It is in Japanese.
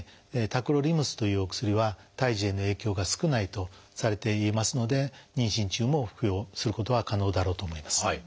タクロリムスというお薬は胎児への影響が少ないとされていますので妊娠中も服用することは可能だろうと思います。